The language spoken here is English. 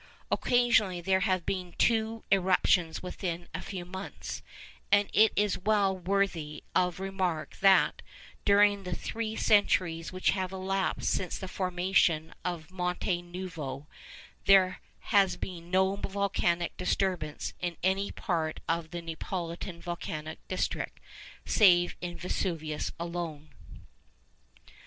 Occasionally there have been two eruptions within a few months; and it is well worthy of remark that, during the three centuries which have elapsed since the formation of Monte Nuovo, there has been no volcanic disturbance in any part of the Neapolitan volcanic district save in Vesuvius alone.